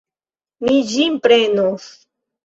Mi ĝin prenos.